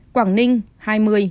quảng ninh hai mươi